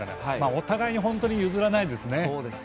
お互い、本当に譲らないですね。